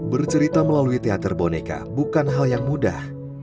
bercerita melalui teater boneka bukan hal yang mudah